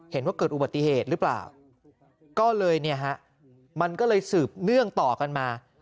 เห็นว่าเกิดอุบัติเหตุหรือเปล่าก็เลยเนี่ยฮะมันก็เลยสืบเนื่องต่อกันมา